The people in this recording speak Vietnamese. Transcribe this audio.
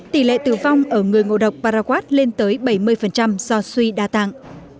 tỷ lệ tử vong ở người ngộ độc paraquat lên tới bảy mươi do suy đa tạng